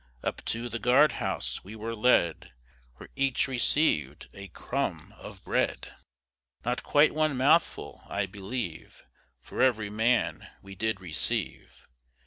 Up to the guard house we were led, Where each receiv'd a crumb of bread; Not quite one mouthful, I believe, For every man we did receive.